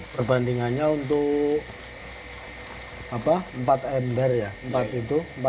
perbandingannya untuk empat ember ya